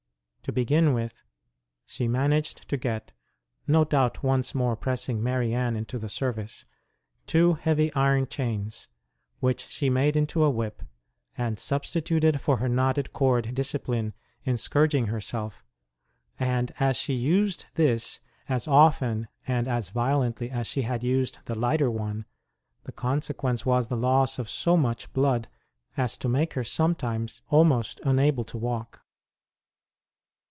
To begin with, she managed to get (no doubt once more pressing Marianne into the service) two heavy iron chains, which she made into a whip and substituted for her knotted cord dis cipline in scourging herself, and as she used this 132 ST. ROSE OF LIMA as often and as violently as she had used the lighter one, the consequence was the loss of so much blood as to make her sometimes almost unable to walk.